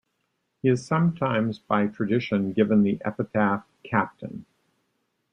He is sometimes, by tradition, given the epithet "Captain".